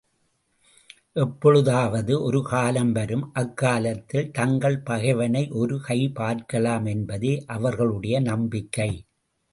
எப்பொழுதாவது ஒரு காலம் வரும், அக்காலத்தில் தங்கள் பகைவனை ஒரு கை பார்க்கலாம் என்பதே அவர்களுடைய நம்பிக்கை.